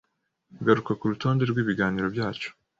Garuka kurutonde rwibiganiro byacu